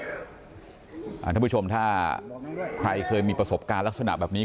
ท่านผู้ชมถ้าใครเคยมีประสบการณ์ลักษณะแบบนี้